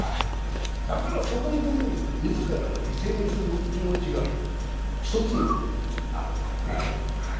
だからそこんとこに自らを犠牲にする気持ちが一つになってる。